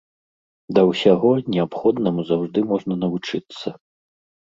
Да ўсяго, неабходнаму заўжды можна навучыцца.